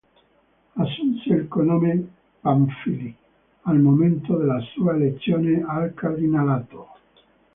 Assunse il cognome Pamphili al momento della sua elezione al cardinalato.